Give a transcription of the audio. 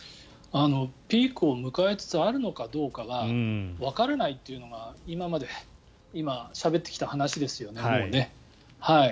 ピークを迎えつつあるのかどうかはわからないというのが今しゃべってきた話ですよね。